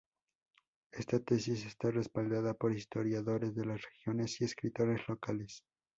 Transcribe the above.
Esta tesis está respaldada por historiadores de la regiones y escritores locales.